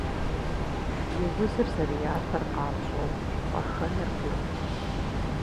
И узыр зэрыятэр къапщӏэу, пӏэхэнэр гурымт.